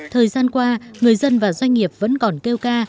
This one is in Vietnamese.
thời gian qua người dân và doanh nghiệp vẫn còn kêu ca